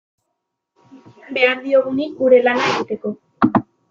Behar diogunik gure lana egiteko.